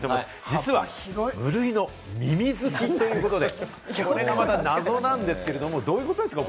実は無類の耳好きということで、これがまた謎なんですけれど、どういうことですか？